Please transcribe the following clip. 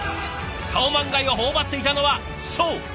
カオマンガイを頬張っていたのはそう審判。